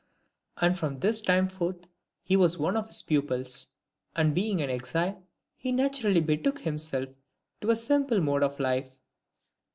And from this time forth he was one of his pupils ; and being an exile, he naturally betook himself to a simple mode of life Ill.